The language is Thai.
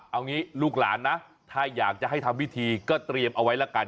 เอางี้ลูกหลานนะถ้าอยากจะให้ทำพิธีก็เตรียมเอาไว้ละกัน